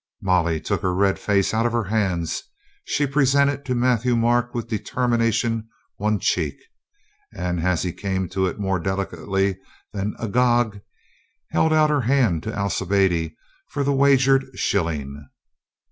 Molly took her red face out of her hands. She presented to Matthieu Marc with determination one cheek, and as he came to it more delicately than Agag, held out her hand to Alcibiade for the wagered shilling.